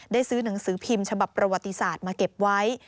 ซื้อหนังสือพิมพ์ฉบับประวัติศาสตร์มาเก็บไว้